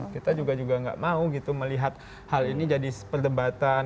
kita juga juga nggak mau gitu melihat hal ini jadi perdebatan